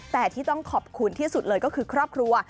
แต่ที่ต้องขอบคุณที่สุดเลยก็คือครอบครัว